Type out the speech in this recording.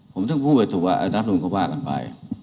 ผมซึ่งพูดไปถูกว่านับหนุนเขาว่ากันไป